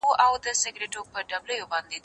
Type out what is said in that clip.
زه به مړۍ خوړلي وي